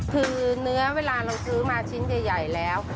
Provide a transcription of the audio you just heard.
คือเนื้อเวลาเราซื้อมาชิ้นใหญ่แล้ว